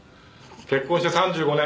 「結婚して３５年。